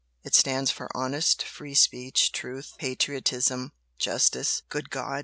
it stands for honest free speech, truth, patriotism, justice " "Good God!"